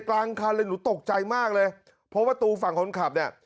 กลางคันเลยหนูตกใจมากเลยเพราะว่าประตูฝั่งคนขับเนี่ย